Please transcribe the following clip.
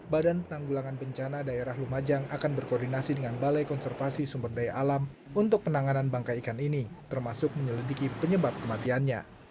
badan penanggulangan bencana daerah lumajang akan berkoordinasi dengan balai konservasi sumber daya alam untuk penanganan bangkai ikan ini termasuk menyelidiki penyebab kematiannya